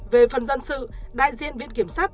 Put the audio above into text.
về phần dân sự đại diện viện kiểm sát